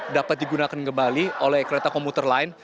dapat digunakan kembali oleh kereta komuter lain